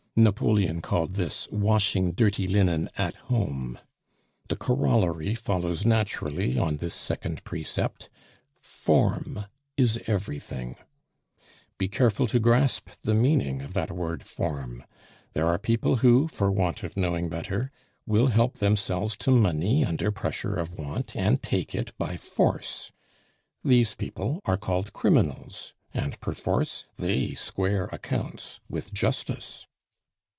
Napoleon called this 'washing dirty linen at home.' The corollary follows naturally on this second precept Form is everything. Be careful to grasp the meaning of that word 'form.' There are people who, for want of knowing better, will help themselves to money under pressure of want, and take it by force. These people are called criminals; and, perforce, they square accounts with Justice.